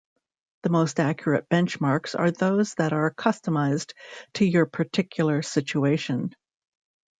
The most accurate benchmarks are those that are customized to your particular situation.